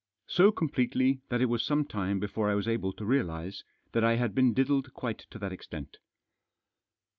So completely that it was some time before I was able to realise that I had been diddled quite to that extent.